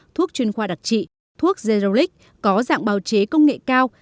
thuốc chuyên khoa đặc trị thuốc zerolic có dạng bào chế công nghệ cao